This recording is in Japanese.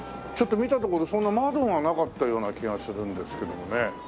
ちょっと見たところそんな窓がなかったような気がするんですけどもね。